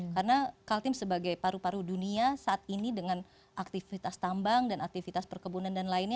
karena kaltim sebagai paru paru dunia saat ini dengan aktivitas tambang dan aktivitas perkebunan dan lainnya